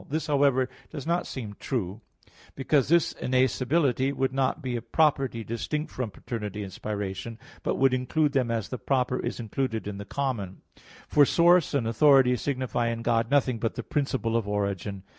This, however, does not seem true, because thus innascibility would not be a property distinct from paternity and spiration; but would include them as the proper is included in the common. For source and authority signify in God nothing but the principle of origin.